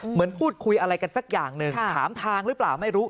เหมือนพูดคุยอะไรกันสักอย่างหนึ่งถามทางหรือเปล่าไม่รู้